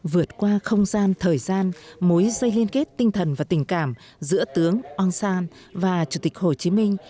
vượt qua không gian thời gian mối dây liên kết tinh thần và tình cảm giữa tướng ong san và chủ tịch hồ chí minh